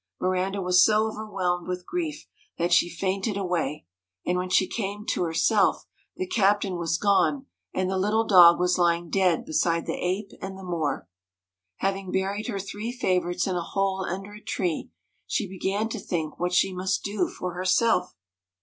Miranda was so overwhelmed with grief, that she fainted away ; and when she came to herself, the captain was gone, and the little dog was lying dead beside the ape and the Moor. Having buried her three favourites in a hole under a tree, she began to think what she must do for herself.